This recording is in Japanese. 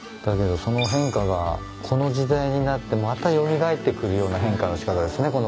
だけどその変化がこの時代になってまた蘇ってくるような変化の仕方ですね